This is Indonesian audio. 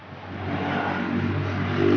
berapa dasarnya ya itu ya